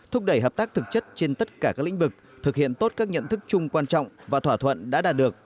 thúc đẩy hợp tác thực chất trên tất cả các lĩnh vực thực hiện tốt các nhận thức chung quan trọng và thỏa thuận đã đạt được